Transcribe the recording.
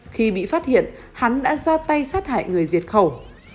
khi bị phát hiện hắn đã ra tay sát hại người diệt khẩu